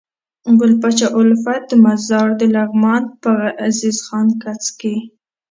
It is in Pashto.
ګل پاچا الفت مزار دلغمان په عزيز خان کځ کي